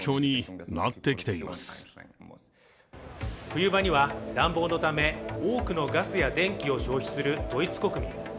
冬場には暖房のため、多くのガスや電気を消費するドイツ国民。